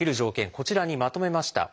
こちらにまとめました。